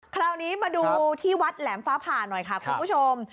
คราวนี้มาดูที่วัดแหลมฟ้าผ่าหน่อยค่ะคุณผู้ชม